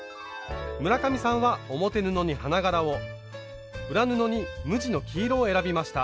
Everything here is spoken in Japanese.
村上さんは表布に花柄を裏布に無地の黄色を選びました。